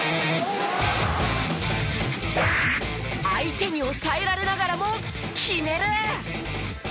相手に抑えられながらも決める！